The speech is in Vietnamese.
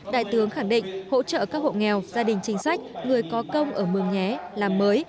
đại tướng khẳng định hỗ trợ các hộ nghèo gia đình chính sách người có công ở mường nhé làm mới